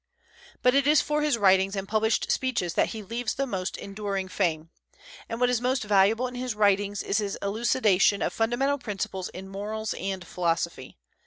But it is for his writings and published speeches that he leaves the most enduring fame; and what is most valuable in his writings is his elucidation of fundamental principles in morals and philosophy.